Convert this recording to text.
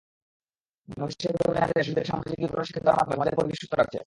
বাংলাদেশের পরিবারে নারীরা শিশুদেরকে সামাজিকীকরণ শিক্ষা দেওয়ার মাধ্যমে সমাজের পরিবেশ সুস্থ রাখছে।